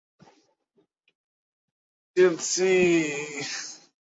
চেলসিকে বাদ দিলে ইংলিশদের জন্য কালকের রাতটাও গেছে ভুলে যাওয়ার মতো।